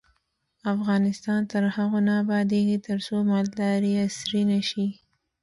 افغانستان تر هغو نه ابادیږي، ترڅو مالداري عصري نشي.